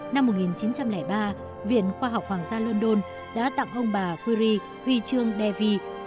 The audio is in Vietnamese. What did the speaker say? vào năm một nghìn chín trăm linh ba viện khoa học hoàng gia london đã tặng ông bà curie huy chương davy